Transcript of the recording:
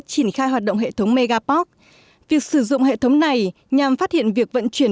triển khai hoạt động hệ thống megaport việc sử dụng hệ thống này nhằm phát hiện việc vận chuyển